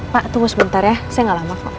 pak tunggu sebentar ya saya gak lama kok